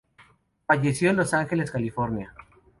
Falleció en Los Ángeles, California.